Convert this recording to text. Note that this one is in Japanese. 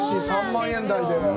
３万円台で。